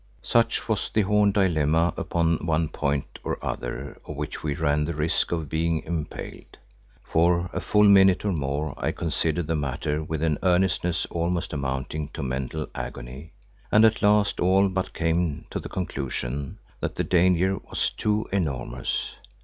Such was the horned dilemma upon one point or other of which we ran the risk of being impaled. For a full minute or more I considered the matter with an earnestness almost amounting to mental agony, and at last all but came to the conclusion that the danger was too enormous.